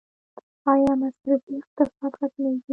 آیا مصرفي اقتصاد ختمیږي؟